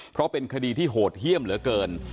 เพราะเป็นคดีที่โหดเยี่ยมเหลือเกิน